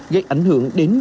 gây ảnh hưởng đến đường điện